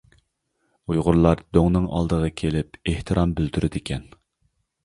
ئۇيغۇرلار دۆڭنىڭ ئالدىغا كېلىپ ئېھتىرام بىلدۈرىدىكەن.